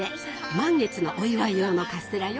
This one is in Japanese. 満月のお祝い用のカステラよ。